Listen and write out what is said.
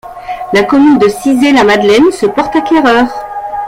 La commune de Cizay-la-Madeleine se porte acquéreur.